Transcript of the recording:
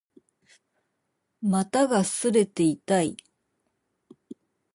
股が擦れて痛い